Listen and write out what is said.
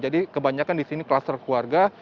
jadi kebanyakan di sini kluster keluarga